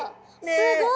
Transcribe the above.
すごい。